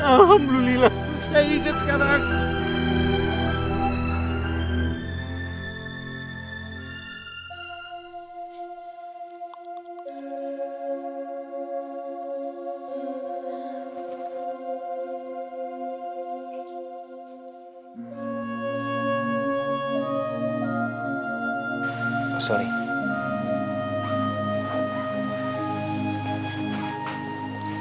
alhamdulillah saya ingat sekarang